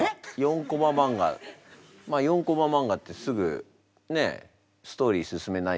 まあ４コマ漫画ってすぐねストーリー進めないといけないから。